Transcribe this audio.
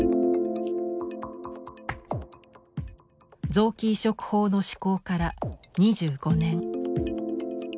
臓器移植法の施行から２５年。